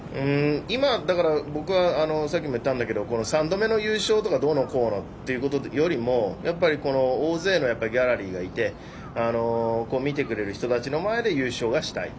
今、僕はさっきも言ったんだけど３度目の優勝とかどうのこうのということよりもやっぱり大勢のギャラリーがいて見てくれる人たちの前で優勝がしたい。